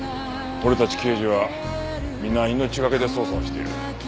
俺たち刑事は皆命懸けで捜査をしている。